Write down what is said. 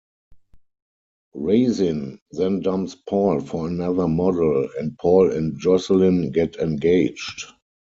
Resin then dumps Paul for another model, and Paul and Jocelyn get engaged.